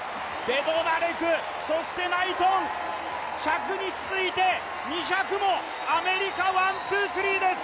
ベドナレク、そしてナイトン、１００に続いてアメリカ、ワン・ツー・スリーです。